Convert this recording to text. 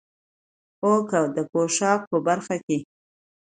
او که د پوشاک په برخه کې،